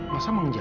masa mau ngejajak